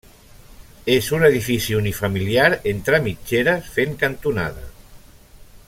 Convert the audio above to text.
És un edifici unifamiliar entre mitgeres fent cantonada.